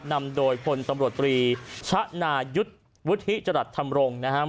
นำโดยพลตำรวจตรีชะนายุทธ์วุฒิจรัสธรรมรงค์นะครับ